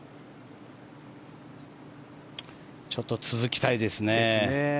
ちょっと続きたいですね。